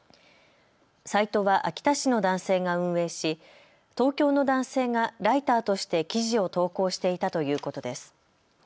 サイトは秋田市の男性が運営し東京の男性がライターとして記事を投稿していたということです。